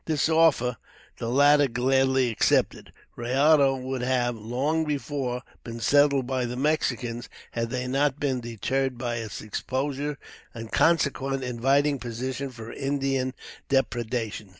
This offer the latter gladly accepted. Rayado would have, long before, been settled by the Mexicans, had they not been deterred by its exposure, and consequent inviting position for Indian depredations.